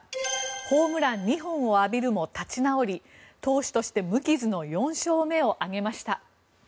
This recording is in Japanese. ホームラン２本を浴びるも立ち直り投手として無傷の４勝目を挙げました。